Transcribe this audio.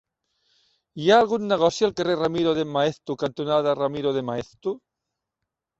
Hi ha algun negoci al carrer Ramiro de Maeztu cantonada Ramiro de Maeztu?